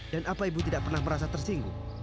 dan apa ibu tidak pernah merasa tersinggung